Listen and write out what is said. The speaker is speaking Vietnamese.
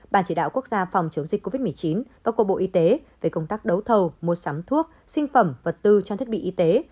ban chỉ đạo quốc gia phòng chống dịch covid một mươi chín và của bộ y tế về công tác đấu thầu mua sắm thuốc sinh phẩm vật tư trang thiết bị y tế